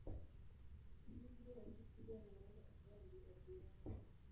Hivyo rafiki pia anaweza akawa ndiye adui wako.